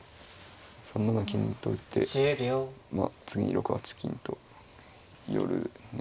３七金と打ってまあ次に６八金と寄る狙いですか。